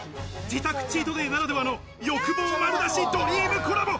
自宅チートデイならではの欲望丸出しドリームコラボ！